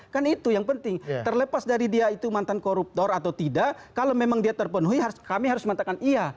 kan itu yang penting terlepas dari dia itu mantan koruptor atau tidak kalau memang dia terpenuhi kami harus mengatakan iya